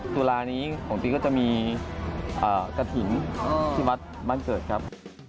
สุรานี้ของติ๊กก็จะมีกระถิ่งที่วัดมันเกิดครับ